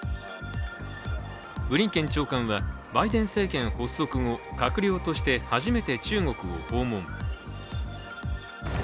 ブリンケン長官はバイデン政権発足後閣僚として初めて中国を訪問。